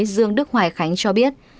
dương đức hoài khánh cho biết